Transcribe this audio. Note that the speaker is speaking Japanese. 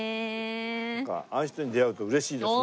なんかああいう人に出会うと嬉しいですね。